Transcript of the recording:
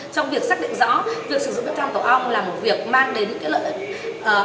trong việc xác định rõ việc sử dụng bếp than tổ ong là một việc mang đến những lợi